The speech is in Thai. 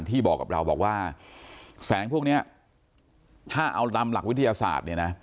บอกกับเราบอกว่าแสงพวกนี้ถ้าเอาตามหลักวิทยาศาสตร์เนี่ยนะ